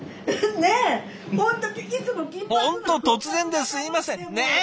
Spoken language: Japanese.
本当突然ですいませんねぇ？